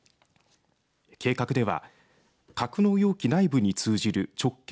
計画では格納容器内部に通じる直径